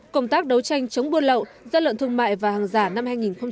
công tác đấu tranh chống buôn lậu gian lận thương mại và hàng giả năm hai nghìn một mươi tám